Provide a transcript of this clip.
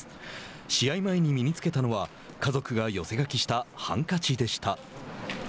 試合前に身につけたのは家族が寄せ書きしたハンカチでした。